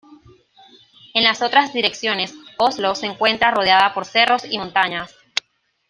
En las otras direcciones, Oslo se encuentra rodeada por cerros y montañas.